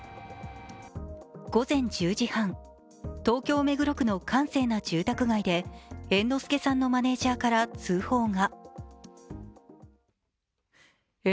午前１０時半、東京・目黒区の閑静な住宅街で猿之助さんのマネージャーから通報が。